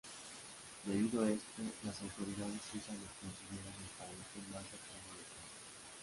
Debido a esto, las autoridades suizas lo consideran el pariente más cercano de Katya.